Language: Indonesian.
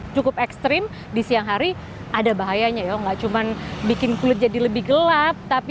cukup ekstrim di siang hari ada bahayanya ya nggak cuman bikin kulit jadi lebih gelap tapi